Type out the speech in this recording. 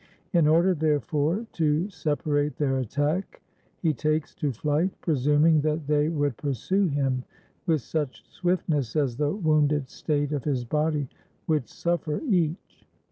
In order, therefore, to separate their attack, he takes to flight, presuming that they would pursue him with such swiftness as the wounded state of his body would suffer each.